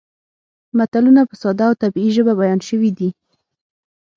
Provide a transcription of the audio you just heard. متلونه په ساده او طبیعي ژبه بیان شوي دي